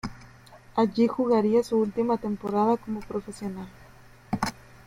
Allí jugaría su última temporada como profesional.